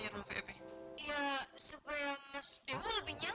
kersake buding disagnz yang kuat